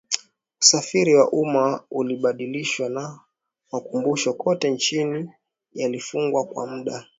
Usafiri wa umma ulibadilishwa na makumbusho kote nchini yalifungwa kwa muda